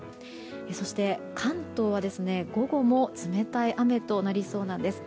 そして、関東は午後も冷たい雨となりそうです。